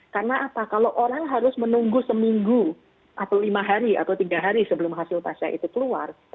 karena apa kalau orang harus menunggu seminggu atau lima hari atau tiga hari sebelum hasil testnya itu keluar